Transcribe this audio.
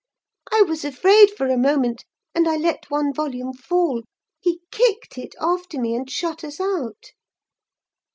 I was afraid for a moment, and I let one volume fall; he kicked it after me, and shut us out.